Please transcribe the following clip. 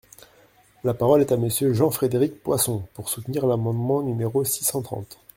La parole est à Monsieur Jean-Frédéric Poisson, pour soutenir l’amendement numéro six cent trente.